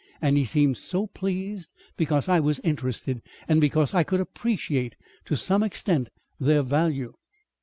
And he seemed so pleased because I was interested, and because I could appreciate to some extent, their value."